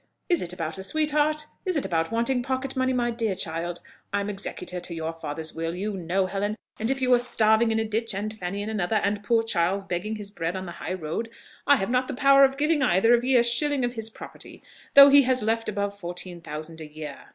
Is it about a sweet heart? Is it about wanting pocket money, my poor child? I'm executor to your father's will, you know, Helen; and if you were starving in a ditch, and Fanny in another, and poor Charles begging his bread on the high road, I have not the power of giving either of ye a shilling of his property, though he has left above fourteen thousand a year!"